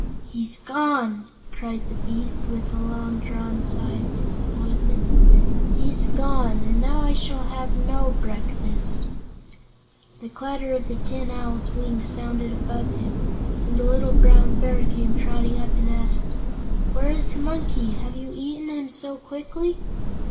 "He's gone!" cried the beast, with a long drawn sigh of disappointment; "he's gone, and now I shall have no breakfast." The clatter of the Tin Owl's wings sounded above him, and the little Brown Bear came trotting up and asked: "Where is the monkey? Have you eaten him so quickly?"